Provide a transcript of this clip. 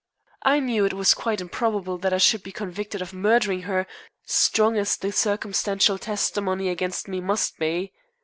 I knew it was quite improbable that I should be convicted of murdering her, strong as the circumstantial testimony against me must be.